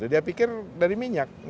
dia pikir dari minyak